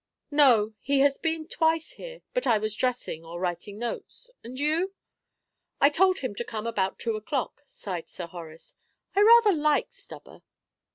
"No; he has been twice here, but I was dressing, or writing notes. And you?" "I told him to come about two o'clock," sighed Sir Horace. "I rather like Stubber."